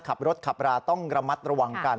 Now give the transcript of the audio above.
ขับรถขับราต้องระมัดระวังกัน